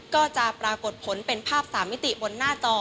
ก็จะปรากฏผลเป็นภาพ๓มิติบนหน้าจอ